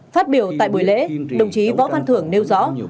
phát biểu tại buổi lễ đồng chí võ văn thưởng nêu rõ